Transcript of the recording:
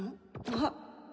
あっ！